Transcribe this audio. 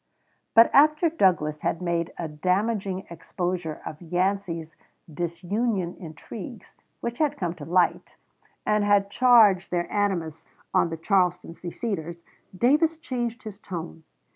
But after Douglas had made a damaging exposure of Yancey's disunion intrigues, which had come to light, and had charged their animus on the Charleston seceders, Davis changed his tone.